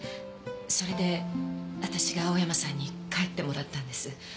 それで私が青山さんに帰ってもらったんです。